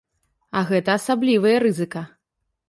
А гэта асаблівая рызыка!